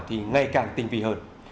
thì ngay càng tinh vị hơn